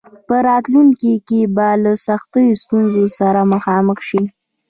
په راتلونکي کې به له سختو ستونزو سره مخامخ شي.